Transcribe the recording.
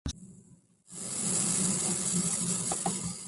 眠くなってきました。